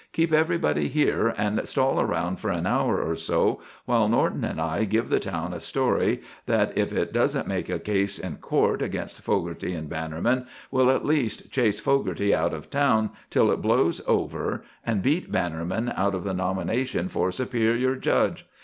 Keep everybody here and stall around for an hour or so, while Norton and I give the town a story that, if it doesn't make a case in court against Fogarty and Bannerman, will at least chase Fogarty out of town till it blows over and beat Bannerman out of the nomination for Superior Judge.